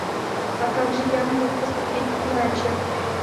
А как же я мог поступить иначе?